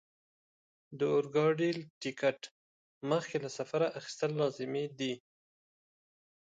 د اورګاډي ټکټ مخکې له سفره اخیستل لازمي دي.